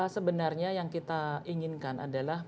sebenarnya yang kita inginkan adalah